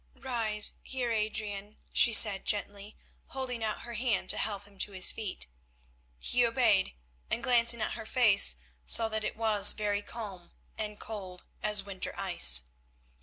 "Rise, Heer Adrian," she said gently, holding out her hand to help him to his feet. He obeyed, and glancing at her face, saw that it was very calm and cold as winter ice.